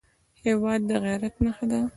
هېواد د غیرت نښه ده.